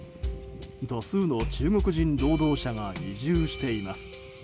多数の中国人労働者が移住しています。